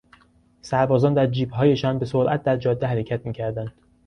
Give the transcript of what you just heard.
سربازان در جیبهایشان به سرعت در جاده حرکت میکردند.